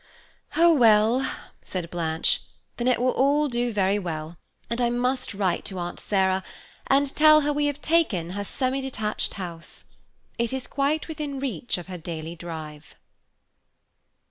"Oh, well!" said Blanche, "then it will all do very well, and I must write to Aunt Sarah, and tell her we have taken her Semi Detached House. It is quite within reach of her daily drive."